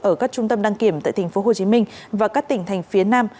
ở các trung tâm đăng kiểm tại tp hcm và các tỉnh thành phía nam